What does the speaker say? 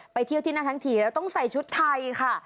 เที่ยวที่นั่นทั้งทีแล้วต้องใส่ชุดไทยค่ะ